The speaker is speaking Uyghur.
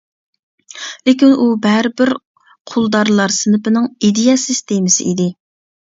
لېكىن ئۇ بەرىبىر قۇلدارلار سىنىپىنىڭ ئىدىيە سىستېمىسى ئىدى.